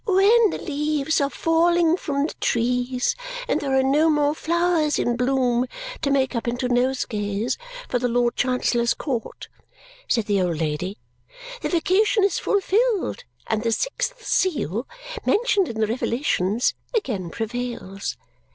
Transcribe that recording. "When the leaves are falling from the trees and there are no more flowers in bloom to make up into nosegays for the Lord Chancellor's court," said the old lady, "the vacation is fulfilled and the sixth seal, mentioned in the Revelations, again prevails.